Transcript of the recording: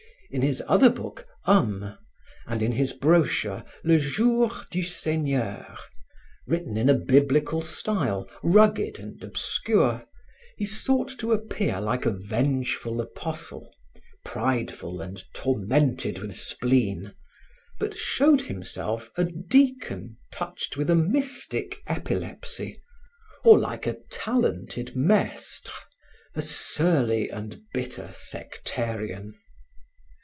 In his other book Homme, and in his brochure le Jour du Seigneur, written in a biblical style, rugged and obscure, he sought to appear like a vengeful apostle, prideful and tormented with spleen, but showed himself a deacon touched with a mystic epilepsy, or like a talented Maistre, a surly and bitter sectarian.